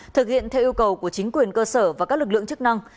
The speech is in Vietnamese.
thực hiện theo yêu cầu của chính quyền cơ sở và các lực lượng chức năng